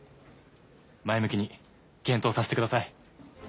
前向きに検討させてください。